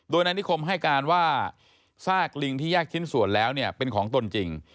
โดยนายนิคมให้การว่าซากลิงที่แยกชิ้นส่วนแล้วเนี่ยเป็นของตนจริง